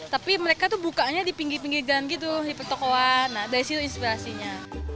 tapi mereka tuh bukanya di pinggir pinggir jalan gitu di petokohan nah dari situ inspirasinya